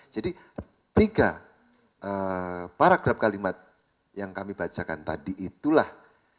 jadi tiga paragraf kalimat yang kami bacakan tadi itulah